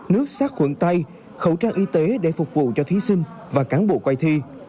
nước sát quẩn tay khẩu trang y tế để phục vụ cho thí sinh và cán bộ quay thi